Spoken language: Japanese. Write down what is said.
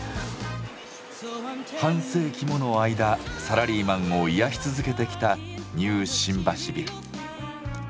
半世紀もの間サラリーマンを癒やし続けてきたニュー新橋ビル。